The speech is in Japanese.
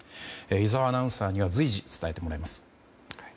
井澤アナウンサーには随時伝えてもらいます。